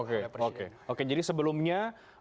presiden oke jadi sebelumnya